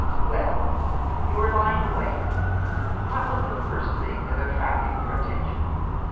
"Well, you were lying awake. What was the first thing that attracted your attention